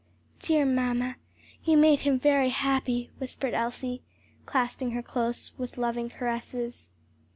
"Dear mamma, you made him very happy," whispered Elsie, clasping her close with loving caresses.